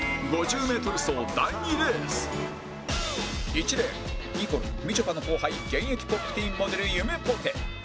１レーンニコルみちょぱの後輩現役『Ｐｏｐｔｅｅｎ』モデルゆめぽて